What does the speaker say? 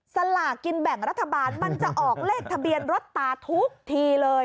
สลากินแบ่งรัฐบาลมันจะออกเลขทะเบียนรถตาทุกทีเลย